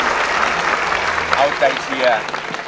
เอาใจเชียร์